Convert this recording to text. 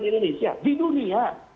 di indonesia di dunia